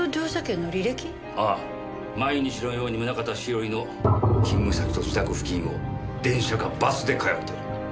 毎日のように宗方栞の勤務先と自宅付近を電車かバスで通ってる。